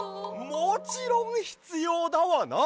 もちろんひつようだわな！